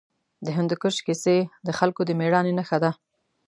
د هندوکش کیسې د خلکو د مېړانې نښه ده.